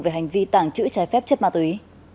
về hành vi tảng chữ trái phép chất ma túy